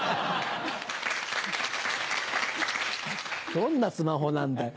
どんなスマホなんだよ。